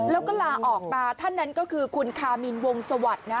แล้วก็ลาออกมาท่านนั้นก็คือคุณคามินวงสวัสดิ์นะ